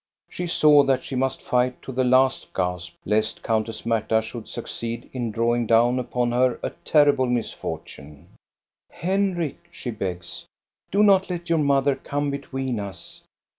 She saw that she must fight to the last gasp, lest Countess Marta should succeed in draw ing down upon her a terrible misfortune. " Henrik," she begs, " do not let your mother come between us